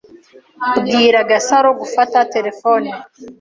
Bwira Gasaro gufata terefone.